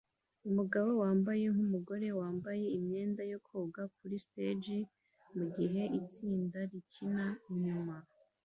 Umugabo wambaye nkumugore yambaye imyenda yo koga kuri stage mugihe itsinda rikina inyuma